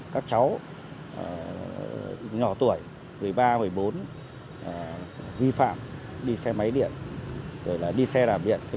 các cháu nhỏ tuổi một mươi ba một mươi bốn vi phạm đi xe máy điện rồi là đi xe đạp điện